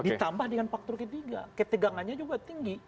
ditambah dengan faktor ketiga ketegangannya juga tinggi